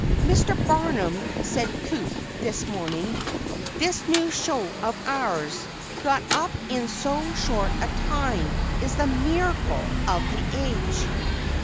"Mr. Barnum," said Coup this morning, "this new show of ours, got up in so short a time, is the miracle of the age."